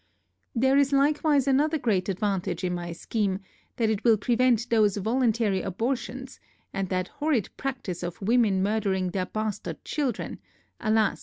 There is likewise another great advantage in my scheme, that it will prevent those voluntary abortions, and that horrid practice of women murdering their bastard children, alas!